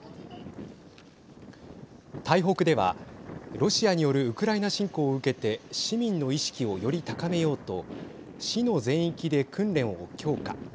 台北ではロシアによるウクライナ侵攻を受けて市民の意識をより高めようと市の全域で訓練を強化。